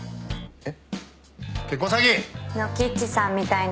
えっ？